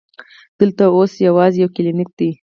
دلته اوس یوازې یو کلینک دی.